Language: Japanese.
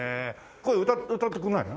これ歌ってくれないの？